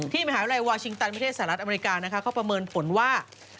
มหาวิทยาลัยวาชิงตันประเทศสหรัฐอเมริกานะคะเขาประเมินผลว่า